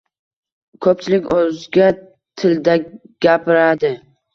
Ko‘pchilik o‘zga tildagapiradi.